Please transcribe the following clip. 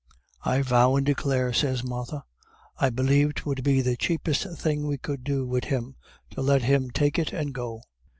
'I vow and declare,' sez Martha, 'I believe 'twould be the chapest thing we could do wid him, to let him take it and go.